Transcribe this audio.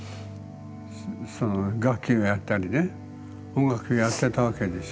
その楽器をやったりね音楽やってたわけでしょ。